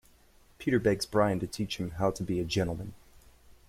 Peter begs Brian to teach him how to be a gentleman.